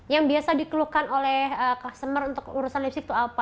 yang biasa dikeluhkan oleh customer untuk urusan lipstick itu apa